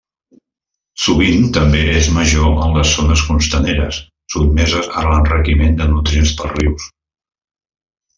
Sovint també és major en les zones costaneres sotmeses a l'enriquiment de nutrients pels rius.